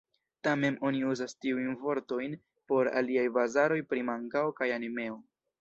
Tamen oni uzas tiujn vortojn por aliaj bazaroj pri mangao kaj animeo.